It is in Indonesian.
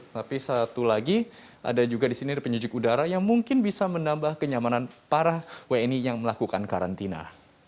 tapi satu lagi ada juga di sini penyujuk udara yang mungkin bisa menambah kenyamanan para wni yang melakukan karantina